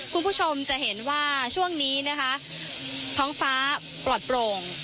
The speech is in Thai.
คุณผู้ชมจะเห็นว่าช่วงนี้นะคะท้องฟ้าปลอดโปร่ง